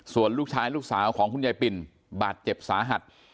ส่วนลูกชายลูกสาวของคุณยายปิ่นบาดเจ็บสาหัส